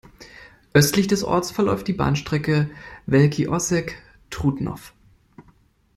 Östlich des Ortes verläuft die Bahnstrecke Velký Osek–Trutnov.